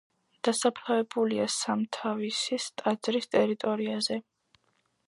დასაფლავებულია სამთავისის ტაძრის ტერიტორიაზე.